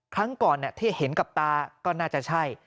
ครั้งก่อนที่เห็นกับตาก็น่าจะใช่